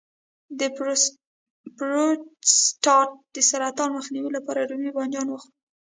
د پروستات د سرطان مخنیوي لپاره رومي بانجان وخورئ